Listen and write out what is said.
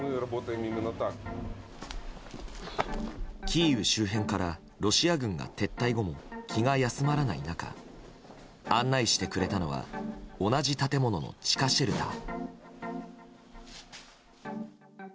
キーウ周辺からロシア軍が撤退後も気が休まらない中案内してくれたのは同じ建物の地下シェルター。